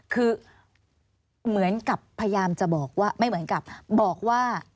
คือเหมือนกับพยายามจะบอกว่าไม่เหมือนกับบอกว่า